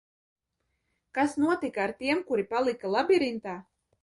Kas notika ar tiem, kuri palika labirintā?